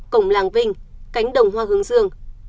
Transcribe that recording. cổng làng vinh cánh đồng hoa hướng dương